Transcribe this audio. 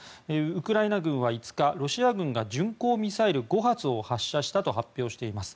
ウクライナ軍は５日ロシア軍が巡航ミサイル５発を発射したと発表しています。